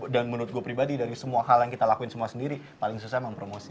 dan menurut gue pribadi dari semua hal yang kita lakuin semua sendiri paling susah emang promosi